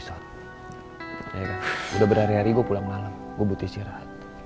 sorry karena gue baik baik aja nih